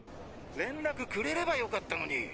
連絡くれればよかったのに。